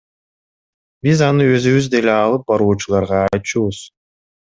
Биз аны өзүбүз деле алып баруучуларга айтчубуз.